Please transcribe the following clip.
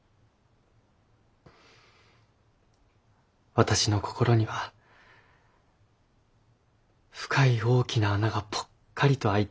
私の心には深い大きな穴がぽっかりと開いていたんです。